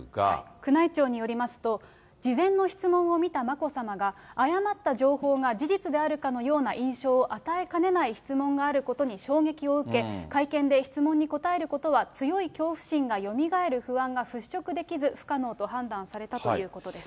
宮内庁によりますと、事前の質問を見た眞子さまが、誤った情報が事実であるかのような印象を与えかねない質問があることに衝撃を受け、会見で質問に答えることは強い恐怖心がよみがえる不安が払しょくできず、不可能と判断されたということです。